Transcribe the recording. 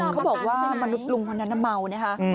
เขาบอกว่ามนุษย์ลุงคนนั้นเมานะคะ